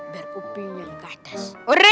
biar uping yang ke atas